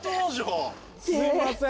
すいません。